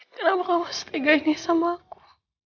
kenapa kamu setegah ini sama aku